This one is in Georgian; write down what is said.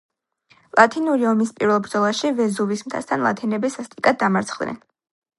ლათინური ომის პირველ ბრძოლაში ვეზუვის მთასთან ლათინები სასტიკად დამარცხდნენ.